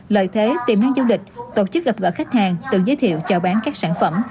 lợi thế tiềm năng du lịch tổ chức gặp gỡ khách hàng tự giới thiệu chào bán các sản phẩm